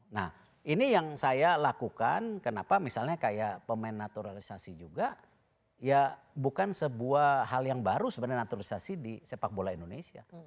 nah ini yang saya lakukan kenapa misalnya kayak pemain naturalisasi juga ya bukan sebuah hal yang baru sebenarnya naturalisasi di sepak bola indonesia